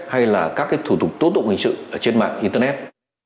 hay là các thủ tục tố tụng hình sự trên mạng internet